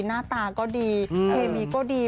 หน้าตาก็ดีเคมีก็ดี